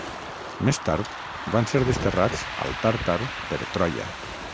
Més tard, van ser desterrats al Tàrtar per Troia.